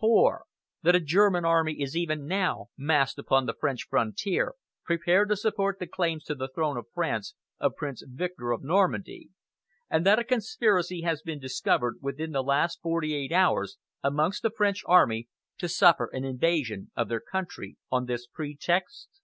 "4. That a German army is even now massed upon the French frontier, prepared to support the claims to the throne of France of Prince Victor of Normandy, and that a conspiracy has been discovered within the last forty eight hours amongst the French army, to suffer an invasion of their country on this pretext?